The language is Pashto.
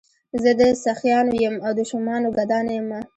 زه د سخیانو یم او د شومانو ګدا نه یمه.